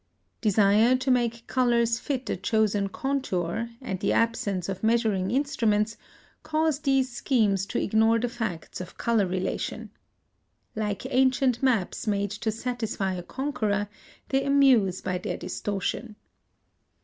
Desire to make colors fit a chosen contour, and the absence of measuring instruments, cause these schemes to ignore the facts of color relation. Like ancient maps made to satisfy a conqueror, they amuse by their distortion.